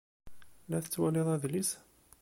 La tettwalid adlis?